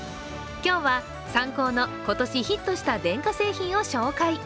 今日はサンコーの今年ヒットした電化製品を紹介。